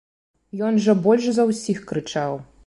Ён жа больш за ўсіх крычаў.